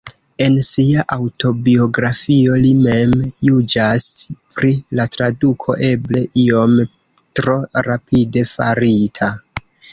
En sia aŭtobiografio li mem juĝas pri la traduko "eble iom tro rapide farita".